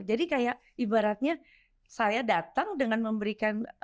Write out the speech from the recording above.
jadi kayak ibaratnya saya datang dengan memberikan